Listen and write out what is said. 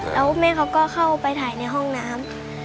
แล้วแม่เขาก็เข้าไปถ่ายในห้องน้ำ